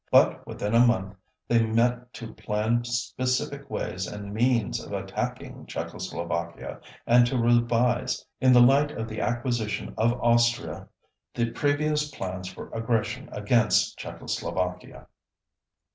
But within a month they met to plan specific ways and means of attacking Czechoslovakia, and to revise, in the light of the acquisition of Austria, the previous plans for aggression against Czechoslovakia.